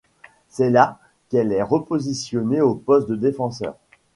C'est là qu'elle est repositionnée au poste de défenseur.